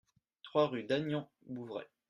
trois rue Dagnan Bouveret